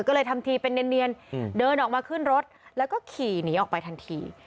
ก็เลยทำทีเป็นเนียนเดินออกมาขึ้นรถแล้วก็ขี่หนีออกไปทันที